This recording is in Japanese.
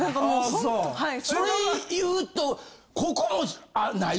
それ言うとここもない？